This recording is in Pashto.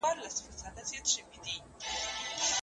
نن به د جنون زولنې ماتي کړو لیلا به سو